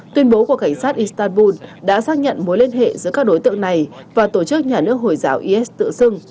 tuyên bố của cảnh sát istanbul đã xác nhận mối liên hệ giữa các đối tượng này và tổ chức nhà nước hồi giáo is tự xưng